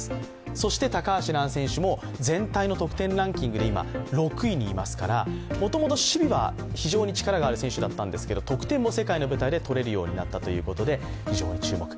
そして高橋藍選手も全体の得点ランキングで今、６位にいますからもともと守備は非常に力がある選手だったんですけど、得点も世界の舞台でとれるようになったということで、非常に注目。